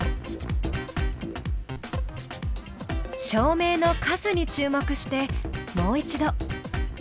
照明の数に注目してもう一度。